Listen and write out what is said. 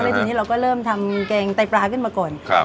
ทีนี้เราก็เริ่มทำแกงไตปลาขึ้นมาก่อนครับ